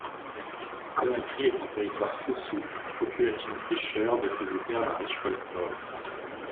Conakry est en territoire soussou, population de pêcheurs, dépositaire d'un riche folklore.